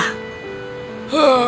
pohon itu tidak menanggapi